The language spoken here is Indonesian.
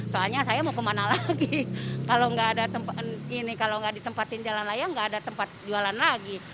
soalnya saya mau kemana lagi kalau gak ditempatin jalan layak gak ada tempat jualan lagi